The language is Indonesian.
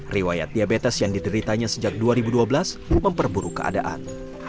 riwayat diabetes yang dideritanya sejak dua ribu dua belas memperburuk keadaan